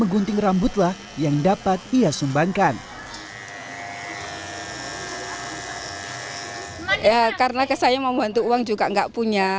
gunting rambut lah yang dapat ia sumbangkan ya karena ke saya mau bantu uang juga enggak punya